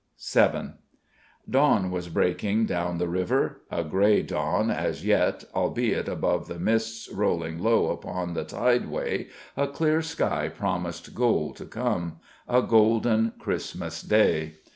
VII Dawn was breaking down the river; a grey dawn as yet, albeit above the mists rolling low upon the tideway a clear sky promised gold to come a golden Christmas Day.